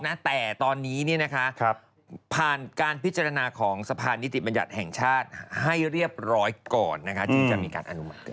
จตนแต่ตอนนี้ผ่านการพิจารณาของสภาณนิติบรรยัทธิ์แห่งชาติให้เรียบร้อยก่อนจะมีการอนุมัติเกิด